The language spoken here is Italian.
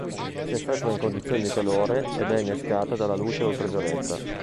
Si effettua in condizioni di calore ed è innescata dalla luce ultravioletta.